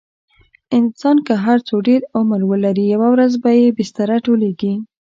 انسان که هر څو ډېر عمر ولري، یوه ورځ به یې بستره ټولېږي.